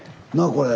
これ。